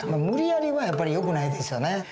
無理やりはやっぱりよくないですよね。